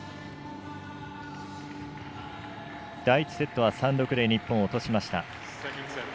第１セットは３−６で日本、落としました。